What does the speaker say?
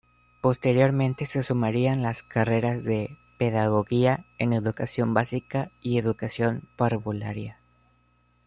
Posteriormente se sumarían las carreras de Pedagogía en Educación Básica y Educación Parvularia.